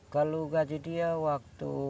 kalau gaji dia waktu